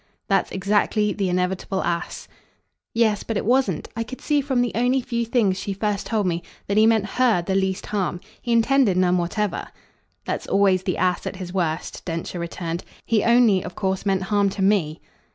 "That's exactly the inevitable ass." "Yes, but it wasn't I could see from the only few things she first told me that he meant HER the least harm. He intended none whatever." "That's always the ass at his worst," Densher returned. "He only of course meant harm to me."